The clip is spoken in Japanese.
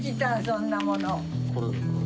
そんなもの。